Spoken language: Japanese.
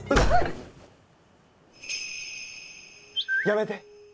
やめて。